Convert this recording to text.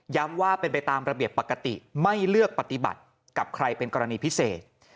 ว่าเป็นไปตามระเบียบปกติไม่เลือกปฏิบัติกับใครเป็นกรณีพิเศษ